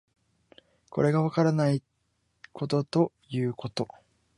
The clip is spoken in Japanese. これがわからないことということ